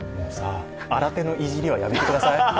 新手のいじりはやめてください。